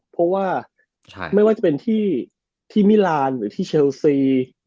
เพราะว่าไม่ว่าจะเป็นที่มิลานหรือที่เชลซี